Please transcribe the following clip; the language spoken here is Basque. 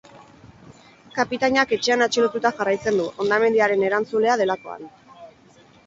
Kapitainak etxean atxilotuta jarraitzen du, hondamendiaren erantzulea delakoan.